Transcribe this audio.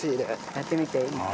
やってみて一回。